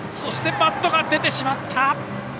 バットが出てしまった！